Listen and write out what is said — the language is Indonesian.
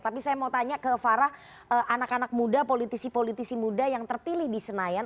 tapi saya mau tanya ke farah anak anak muda politisi politisi muda yang terpilih di senayan